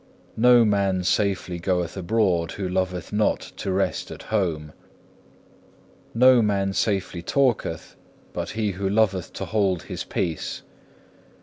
No man safely goeth abroad who loveth not to rest at home. No man safely talketh but he who loveth to hold his peace.